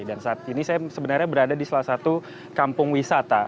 dan saat ini saya sebenarnya berada di salah satu kampung wisata